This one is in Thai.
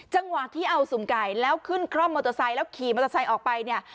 จังหวะที่เอาสุ่มไก่แล้วขึ้นคร่อมมอเตอร์ไซค์แล้วขี่มอเตอร์ไซค์ออกไปเนี่ย